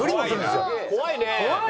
怖いね！